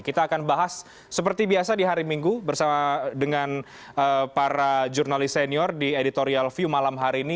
kita akan bahas seperti biasa di hari minggu bersama dengan para jurnalis senior di editorial view malam hari ini